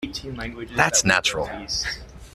That's natural.